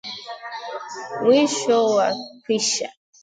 Mwisho wa kwisha